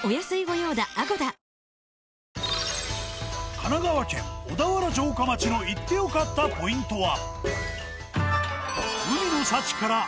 神奈川県小田原城下町の行って良かったポイントは。